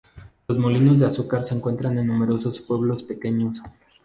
Los molinos de azúcar se encuentran en numerosos pueblos pequeños.